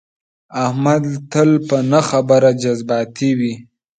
احمد تل په نه خبره جذباتي وي.